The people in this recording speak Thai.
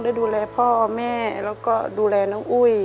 ดูแลพ่อแม่แล้วก็ดูแลน้องอุ้ย